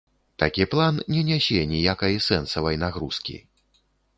Такі план не нясе ніякай сэнсавай нагрузкі.